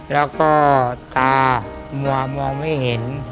แล้วก็ตามัวมองไม่เห็น